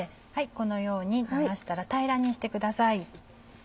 このように流したら平らにしてください。